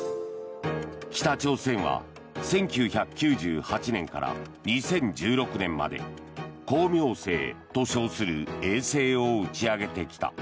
北朝鮮は１９９８年から２０１６年まで「光明星」と称する衛星を打ち上げてきた。